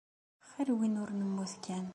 Xir win ur nemmut kan.